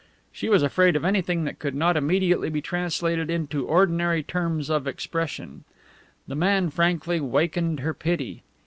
She was afraid of anything that could not immediately be translated into ordinary terms of expression. The man frankly wakened her pity.